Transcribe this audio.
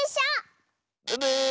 ブブー！